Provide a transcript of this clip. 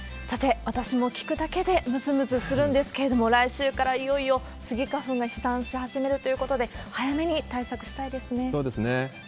さて、私も聞くだけでむずむずするんですけれども、来週からいよいよスギ花粉が飛散し始めるということで、早めに対そうですね。